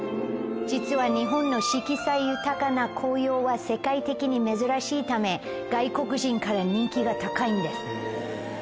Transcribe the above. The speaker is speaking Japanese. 実は日本の色彩豊かな紅葉は世界的に珍しいため外国人から人気が高いんです。